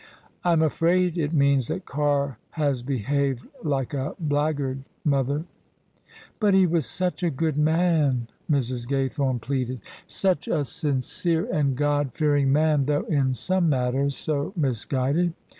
" Fm afraid it means that Carr has behaved like a black guard, mother." " But he was such a good man," Mrs. Gaythome pleaded :" such a sincere and God fearing man, though in some mat ters so misguided."